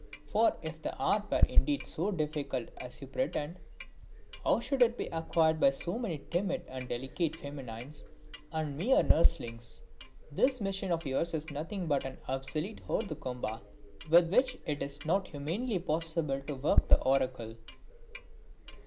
For if the art were indeed so difficult as you pretend, how should it be acquired by so many timid and delicate feminines and mere nurselings? This machine of yours is nothing but an obsolete hors de combat with which it is not humanly possible to work the oracle!"